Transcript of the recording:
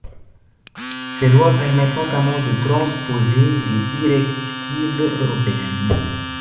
Ces lois permettent notamment de transposer les directives européennes.